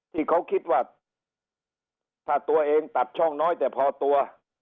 ที่เขาคิดว่าถ้าตัวเองตัดช่องน้อยแต่พอตัว